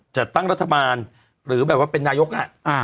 จัดตั้งรัฐบาลหรือแบบว่าเป็นนายก